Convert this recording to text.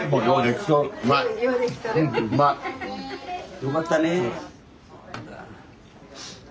よかったね。